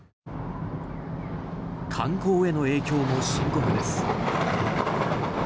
観光への影響も深刻です。